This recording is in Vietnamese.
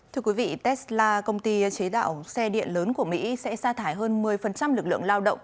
thưa quý vị tesla công ty chế đạo xe điện lớn của mỹ sẽ xa thải hơn một mươi lực lượng lao động